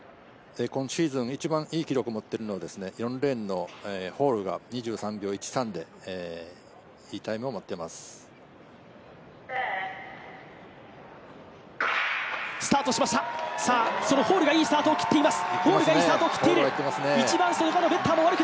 今シーズン一番いい記録を持っているのは、４レーンのホールが２３秒１３でいいタイムを持っています。